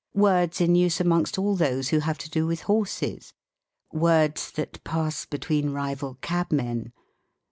Words in use amongst all those who have to do with horses. Words that pass between rival cab men.